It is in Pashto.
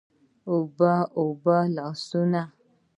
اوبه، اوبه لاسونه